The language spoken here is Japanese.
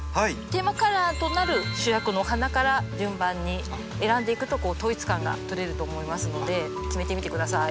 テーマカラーとなる主役のお花から順番に選んでいくとこう統一感が取れると思いますので決めてみて下さい。